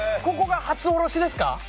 ここが初おろしですか？